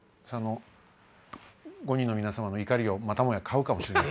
５人の皆さまの怒りをまたもや買うかもしれない。